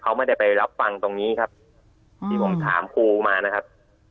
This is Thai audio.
เขาไม่ได้ไปรับฟังตรงนี้ครับที่ผมถามครูมานะครับ